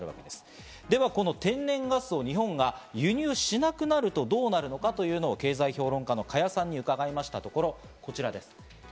ではこの天然ガスを日本が輸入しなくなるとどうなるのかというのを、経済評論家の加谷さんに伺いましたところ、こちらです。